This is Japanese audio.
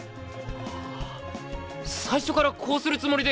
あ最初からこうするつもりで。